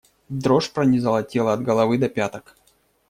Дрожь пронизала тело от головы до пяток.